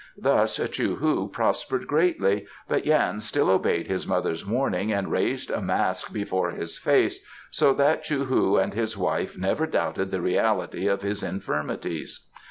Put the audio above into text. Thus Chou hu prospered greatly, but Yan still obeyed his mother's warning and raised a mask before his face so that Chou hu and his wife never doubted the reality of his infirmities.